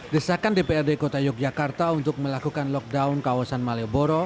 desakan dprd kota yogyakarta untuk melakukan lockdown kawasan malioboro